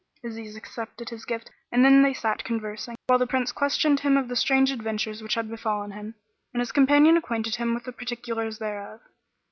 Aziz accepted his gift and then they sat conversing, while the Prince questioned him of the strange adventures which had befallen him, and his companion acquainted him with the particulars thereof.